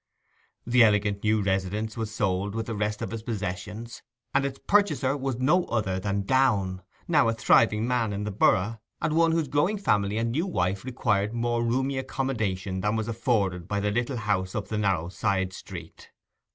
The elegant new residence was sold with the rest of his possessions; and its purchaser was no other than Downe, now a thriving man in the borough, and one whose growing family and new wife required more roomy accommodation than was afforded by the little house up the narrow side street.